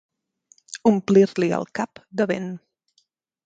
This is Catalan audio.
Omplir-li el cap de vent.